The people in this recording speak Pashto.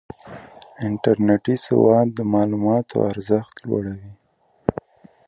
انټرنېټي سواد د معلوماتو ارزښت لوړوي.